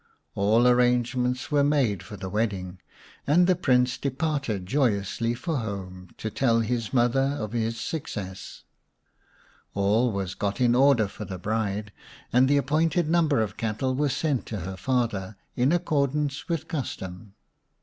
All arrangements were made for the wedding, and the Prince departed joyously for home, to tell his mother of his success. All was got into order for the bride, and the appointed number of cattle were sent to her father, in accordance with custom.